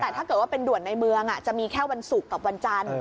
แต่ถ้าเกิดว่าเป็นด่วนในเมืองจะมีแค่วันศุกร์กับวันจันทร์